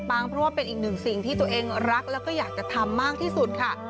เพราะว่าเป็นอีกหนึ่งสิ่งที่ตัวเองรักแล้วก็อยากจะทำมากที่สุดค่ะ